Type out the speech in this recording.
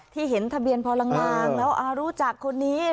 เห็นทะเบียนพอลางแล้วรู้จักคนนี้